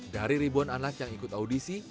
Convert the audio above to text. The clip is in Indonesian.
dari ribuan anak yang ikut audisi